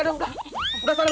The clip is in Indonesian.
udah salah apa balik